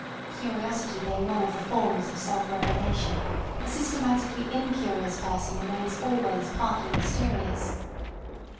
Curiosity being one of the forms of self revelation, a systematically incurious person remains always partly mysterious.